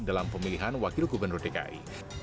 dalam pemilihan wakil gubernur dki